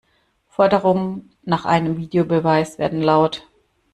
Forderungen nach einem Videobeweis werden laut.